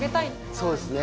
そうですね。